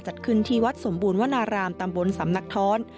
จัดขึ้นที่วัดสมบูรณวนารามตำบลสำนักท้อน